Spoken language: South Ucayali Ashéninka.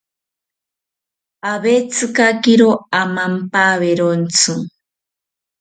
Awetzikakiro omampawerontzi